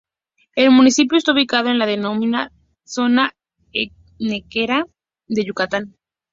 El municipio está ubicado en la denominada zona henequenera de Yucatán.